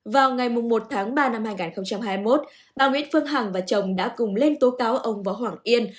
vào ngày một tháng ba năm hai nghìn hai mươi một ông nguyễn phương hằng và chồng đã cùng lên tố cáo ông võ hoàng yên